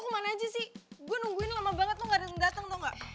lo kemana aja sih gue nungguin lama banget lo ga dateng dateng tau gak